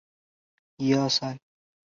出身于神奈川县横滨市。